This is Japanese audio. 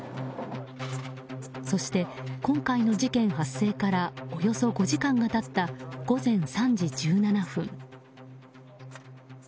そして今回の事件発生からおよそ５時間が経った午前３時１７分。